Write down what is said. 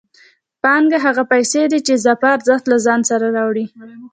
پانګه هغه پیسې دي چې اضافي ارزښت له ځان سره راوړي